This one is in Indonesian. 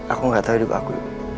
aku ga tau hidup aku